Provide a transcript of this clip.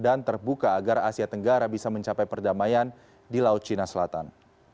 dan terbuka agar asia tenggara bisa mencapai perdamaian di laut cina selatan